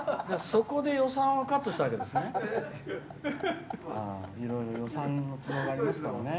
そこで予算をカットしたわけですね。